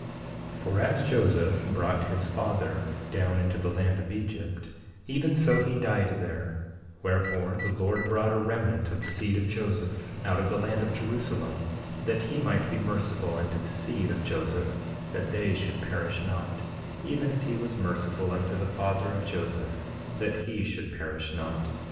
13:7 For as Joseph brought his father down into the land of Egypt, even so he died there; wherefore, the Lord brought a remnant of the seed of Joseph out of the land of Jerusalem, that he might be merciful unto the seed of Joseph that they should perish not, even as he was merciful unto the father of Joseph that he should perish not.